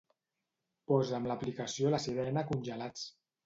Posa'm l'aplicació La Sirena Congelats.